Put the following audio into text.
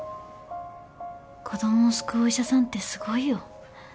子供を救うお医者さんってすごいよ。